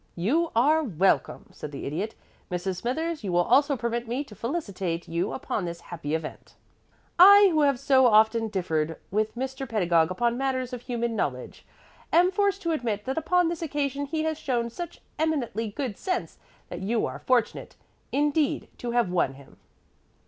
"You are welcome," said the Idiot. "Mrs. Smithers, you will also permit me to felicitate you upon this happy event. I, who have so often differed with Mr. Pedagog upon matters of human knowledge, am forced to admit that upon this occasion he has shown such eminently good sense that you are fortunate, indeed, to have won him."